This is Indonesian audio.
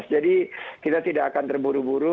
jadi kita tidak akan terburu buru